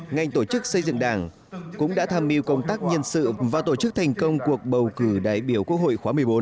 ngành tổ chức xây dựng đảng cũng đã tham mưu công tác nhân sự và tổ chức thành công cuộc bầu cử đại biểu quốc hội khóa một mươi bốn